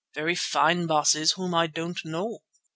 Very fine baases whom I don't know."